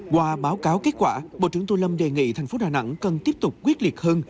qua báo cáo kết quả bộ trưởng tô lâm đề nghị thành phố đà nẵng cần tiếp tục quyết liệt hơn